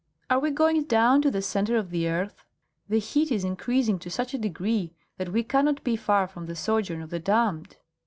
"Are we going down to the centre of the earth? The heat is increasing to such a degree that we cannot be far from the sojourn of the damned."